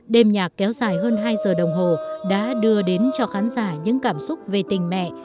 đêm nhạc kéo dài hơn hai giờ đồng hồ đã đưa đến cho khán giả những cảm xúc về tình mẹ